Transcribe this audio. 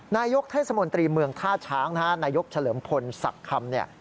นายกเทศมนตรีเมืองท่าช้างนะฮะนายกเฉลิมพลศักดิ์คำเนี่ย